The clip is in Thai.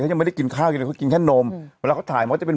เขายังไม่ได้กินข้าวยังไงเขาก็กินแค่นมอืมเวลาเขาถ่ายมันก็จะเป็น